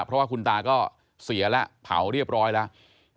เพราะว่าคุณตาก็เสียแล้วเผาเรียบร้อยแล้ว